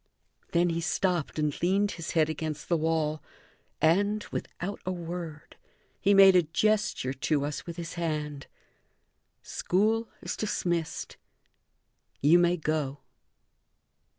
Then he stopped and leaned his head against the wall, and, without a word, he made a gesture to us with his hand; "School is dismissed you may go."